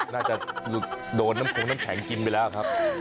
น่าจะโดนน้ำคงน้ำแข็งกินไปแล้วครับ